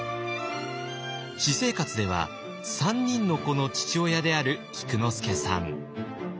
私生活では３人の子の父親である菊之助さん。